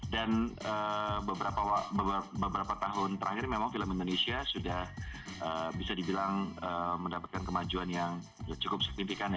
dan beberapa tahun terakhir memang film indonesia sudah bisa dibilang mendapatkan kemajuan yang cukup signifikan